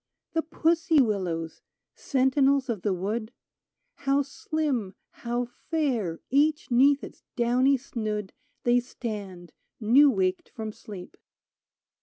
The pussy willows — sentinels of the wood — How slim, how fair, each 'neath its downy snood. They stand, new waked from sleep